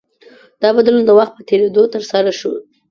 دا بدلون د وخت په تېرېدو ترسره شو.